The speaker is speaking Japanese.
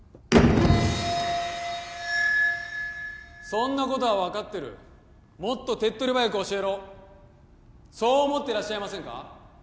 そんなことは分かってるもっと手っ取り早く教えろそう思ってらっしゃいませんか？